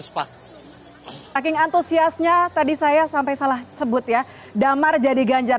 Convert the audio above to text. pak saking antusiasnya tadi saya sampai salah sebut ya damar jadi ganjar